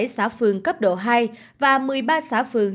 một trăm hai mươi bảy xã phường cấp độ hai và một mươi ba xã phường